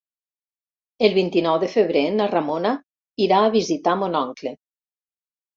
El vint-i-nou de febrer na Ramona irà a visitar mon oncle.